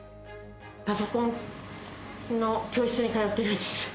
パソコンの教室に通ってるんです。